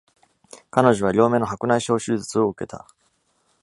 彼女は両眼の白内障手術を受けた。